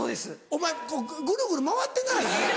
お前グルグル回ってない？